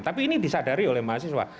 tapi ini disadari oleh mahasiswa